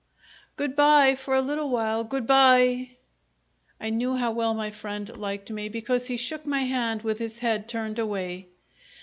"Good bye for a little while good bye!" I knew how well my friend liked me, because he shook my hand with his head turned away.